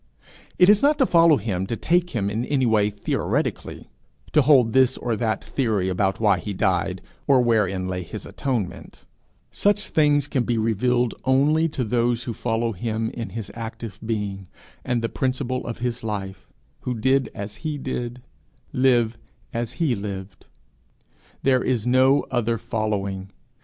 It is not to follow him to take him in any way theoretically, to hold this or that theory about why he died, or wherein lay his atonement: such things can be revealed only to those who follow him in his active being and the principle of his life who do as he did, live as he lived. There is no other following.